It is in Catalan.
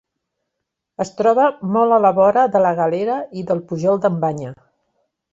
Es troba molt a la vora de La Galera i del Pujol d'en Banya.